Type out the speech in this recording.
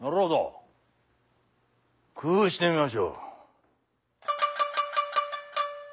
工夫してみましょう。